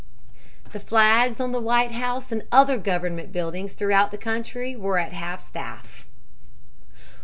The flags on the White House and other Government buildings throughout the country were at half staff.